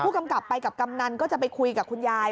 กำกับไปกับกำนันก็จะไปคุยกับคุณยาย